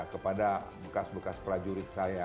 kepada bekas bekas prajurit saya